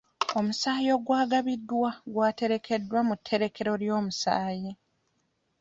Omusaayi ogwagabiddwa gwaterekeddwa mu tterekero ly'omusaayi.